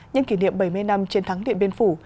nhân kỷ niệm bảy mươi năm chiến thắng điện biên phủ